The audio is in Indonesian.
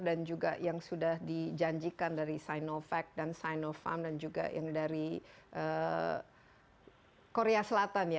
dan juga yang sudah dijanjikan dari sinovac sinovac dan juga dari korea selatan